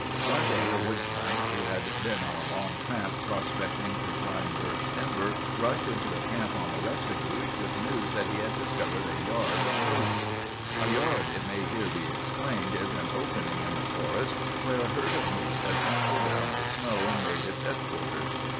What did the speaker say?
"One day a woodsman, who had been on a long tramp prospecting for prime birch timber, rushed into a camp on the Restigouche with news that he had discovered a 'yard' of moose. "A 'yard' it may here be explained, is an opening in the forest where a herd of moose has trampled down the snow and made its headquarters.